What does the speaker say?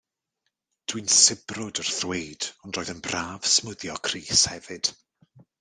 Dwi'n sibrwd wrth ddweud ond roedd yn braf smwddio crys hefyd.